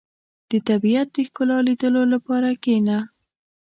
• د طبیعت د ښکلا لیدلو لپاره کښېنه.